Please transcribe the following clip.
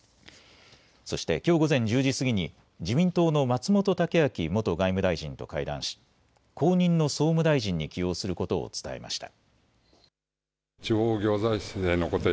そしてきょう午前１０時過ぎに自民党の松本剛明元外務大臣と会談し後任の総務大臣に起用することを伝えました。